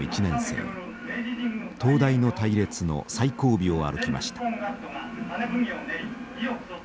東大の隊列の最後尾を歩きました。